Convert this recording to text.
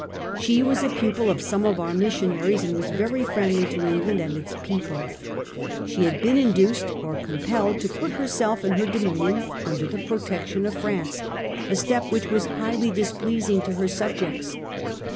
She was a pupil of some of our missionaries, and was very friendly to England and its people. She had been induced or compelled to put her 1844. QUEEN POMARE. SIT self and her dominion under the protection of France; a step which was highly displeasing to her subjects.